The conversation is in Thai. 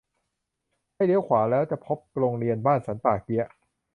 ให้เลี้ยวขวาแล้วจะพบโรงเรียนบ้านสันป่าเกี๊ยะ